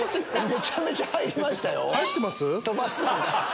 めちゃめちゃ入りましたよ。